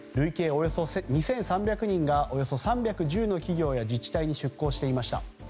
およそ２３００人がおよそお３１０の企業や自治体に出向していました。